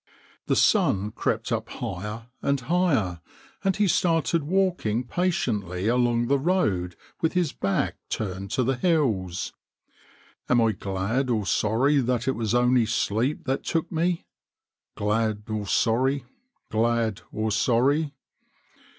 The sun crept up higher and higher, and he started walking patiently along the road with his back turned to the hills. " Am I glad or sorry that it was only sleep that took me, glad or sorry, glad or sorry